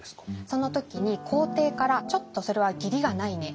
その時に皇帝から「ちょっとそれは義理がないね」